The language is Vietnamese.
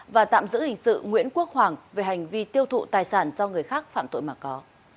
và tạm giữ hình sự nguyễn quốc hoàng về hành vi tiêu thụ tài sản do người khác phạm tội mà có